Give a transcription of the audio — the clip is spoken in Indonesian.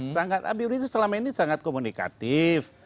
sangat habib rizik selama ini sangat komunikatif